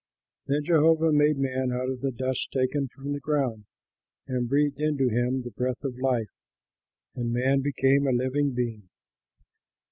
Then Jehovah made man out of dust taken from the ground and breathed into him the breath of life; and man became a living being.